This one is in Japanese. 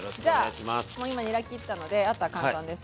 じゃあもう今にら切ったのであとは簡単です。